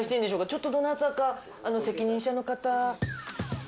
ちょっとどなたか責任者の方。